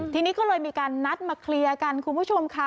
ทีนี้ก็เลยมีการนัดมาเคลียร์กันคุณผู้ชมค่ะ